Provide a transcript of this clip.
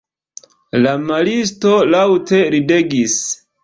La maristo laŭte ridegis.